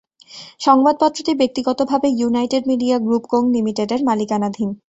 সংবাদপত্রটি ব্যক্তিগতভাবে United Media Group co লিমিটেডের মালিকানাধীন।